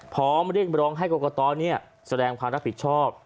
พร้อมเรียกร้องให้กรกตแสดงความรับผิดชอบ